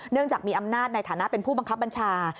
จากมีอำนาจในฐานะเป็นผู้บังคับบัญชา